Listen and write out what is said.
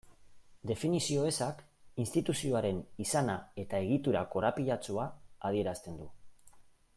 Definizio ezak instituzioaren izana eta egitura korapilatsua adierazten du.